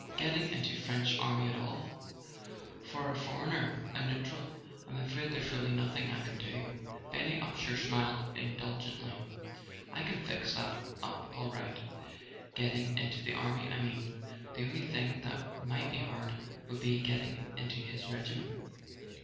"Getting into the French army at all—for a for¬ eigner, a neutral. .. I'm afraid there's really nothing I can do." Benny Upsher smiled indulgently. "I can fix that up all right; getting into the army, I mean. The only thing that might be hard would be getting into his regiment."